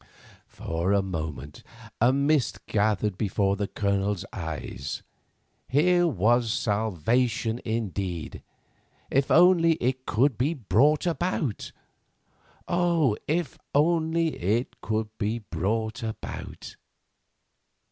For a moment a mist gathered before the Colonel's eyes. Here was salvation indeed, if only it could be brought about. Oh! if only it could be brought about.